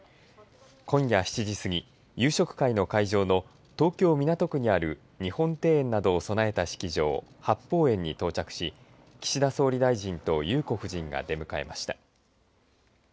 今夜７時すぎ夕食会の会場の東京・港区にある日本庭園などを備えた式場八芳園に到着し岸田総理大臣と裕子夫人が出迎えました。